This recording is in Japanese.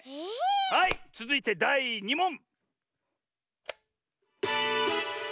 はいつづいてだい２もん！